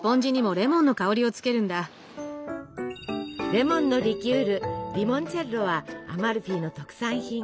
レモンのリキュールリモンチェッロはアマルフィの特産品。